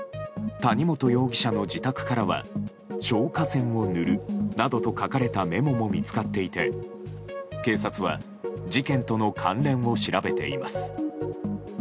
谷本容疑者の自宅からは「消火栓を塗る」などと書かれたメモも見つかっていて警察は事件との関連を調べています。